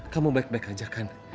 kamu black back aja kan